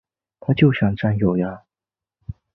他就想占有呀